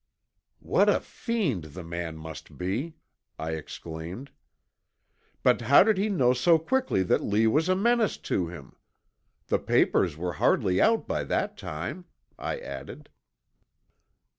"What a fiend the man must be!" I exclaimed. "But how did he know so quickly that Lee was a menace to him. The papers were hardly out by that time," I added.